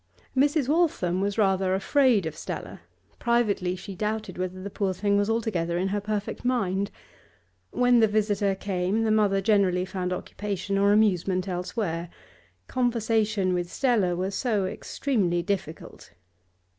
Mrs. Waltham was rather afraid of Stella; privately she doubted whether the poor thing was altogether in her perfect mind. When the visitor came the mother generally found occupation or amusement elsewhere, conversation with Stella was so extremely difficult.